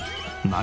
何？